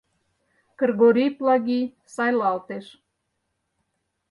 Кыргорий Плагий сайлалтеш.